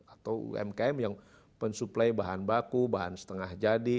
atau umkm yang pensuplai bahan baku bahan setengah jadi